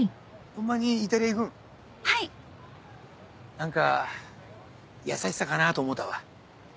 何か優しさかなと思うたわ。